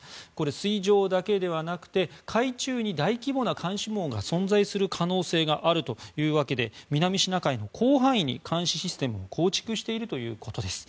水上だけではなくて海中に大規模な監視網が存在する可能性があるというわけで南シナ海の広範囲に監視システムを構築しているということです。